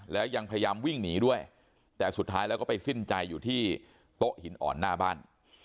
แล้วยังพยายามวิ่งหนีด้วยแต่สุดท้ายแล้วก็ไปสิ้นใจอยู่ที่โต๊ะหินอ่อนหน้าบ้าน